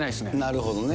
なるほどね。